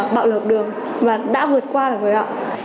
bạo lực đường và đã vượt qua được với họ